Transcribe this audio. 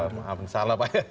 maaf salah pak